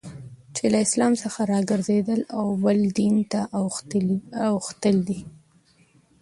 چي له اسلام څخه ګرځېدل او بل دین ته اوښتل دي.